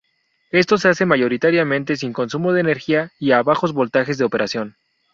Esto se hace mayoritariamente sin consumo de energía y a bajos voltajes de operación.